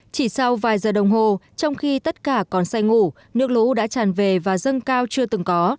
chỉ sau vài giờ đồng hồ trong khi tất cả còn say ngủ nước lũ đã tràn về và dâng cao chưa từng có